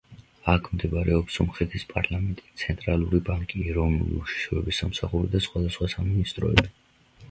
აქ მდებარეობს სომხეთის პარლამენტი, ცენტრალური ბანკი, ეროვნული უშიშროების სამსახური და სხვადასხვა სამინისტროები.